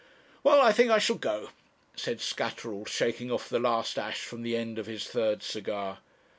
'Well, I think I shall go,' said Scatterall, shaking off the last ash from the end of his third cigar.